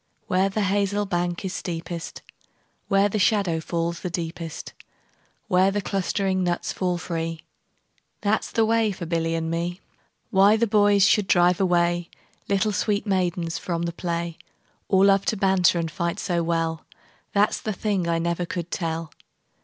Where the hazel bank is steepest, Where the shadow falls the deepest, Where the clustering nuts fall free, 15 That 's the way for Billy and me. Why the boys should drive away Little sweet maidens from the play, Or love to banter and fight so well, That 's the thing I never could tell.